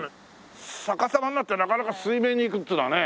逆さまになってなかなか水面に行くっていうのはね。